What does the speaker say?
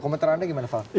komentarnya gimana valdo